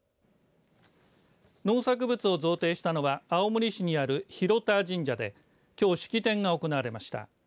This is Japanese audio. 農作物を贈呈したのは青森市にある廣田神社できょう、式典が行われました。